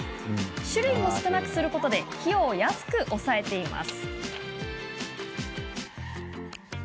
種類も少なくすることで費用を安く抑えています。